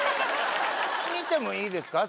見てもいいですか？